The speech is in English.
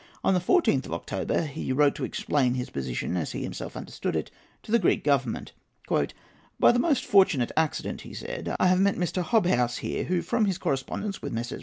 On the 14th of October he wrote to explain his position, as he himself understood it, to the Greek Government. "By the most fortunate accident," he said, "I have met Mr. Hobhouse here, who, from his correspondence with Messrs.